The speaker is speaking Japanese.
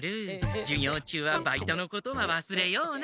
授業中はバイトのことはわすれような！